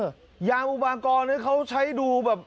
เออยามอุบากองเขาใช้ดูแบบ